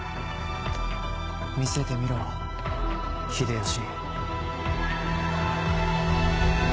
見せてみろ秀吉。